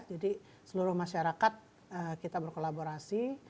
jadi seluruh masyarakat kita berkolaborasi